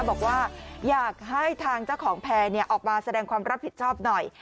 บอกว่าอยากให้ทางเจ้าของแพร่ออกมาแสดงความรับผิดชอบหน่อย